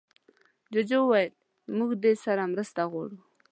جوجو وویل موږ دې سره مرسته غواړو.